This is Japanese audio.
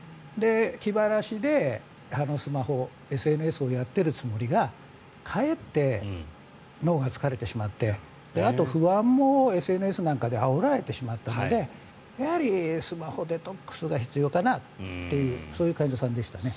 気晴らしでスマホ、ＳＮＳをやっているつもりがかえって脳が疲れてしまってあと不安もＳＮＳなんかであおられてしまったのでやはり、スマホデトックスが必要かなというそういう患者さんでしたね。